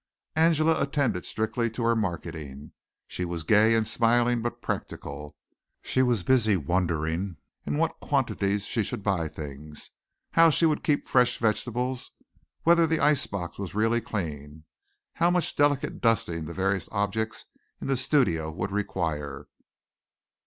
Angela attended strictly to her marketing. She was gay and smiling, but practical. She was busy wondering in what quantities she should buy things, how she would keep fresh vegetables, whether the ice box was really clean; how much delicate dusting the various objects in the studio would require.